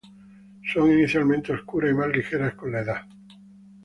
Son inicialmente oscuras y más ligeras con la edad.